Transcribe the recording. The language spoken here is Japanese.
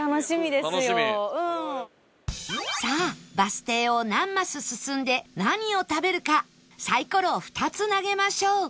さあバス停を何マス進んで何を食べるかサイコロを２つ投げましょう